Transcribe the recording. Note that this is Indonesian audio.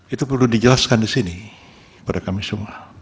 itu perlu dijelaskan di sini kepada kami semua